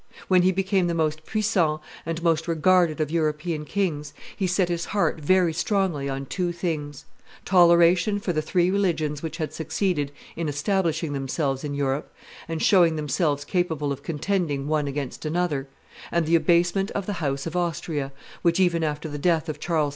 When he became the most puissant and most regarded of European kings, he set his heart very strongly on two things toleration for the three religions which had succeeded in establishing themselves in Europe and showing themselves capable of contending one against another, and the abasement of the house of Austria, which, even after the death of Charles V.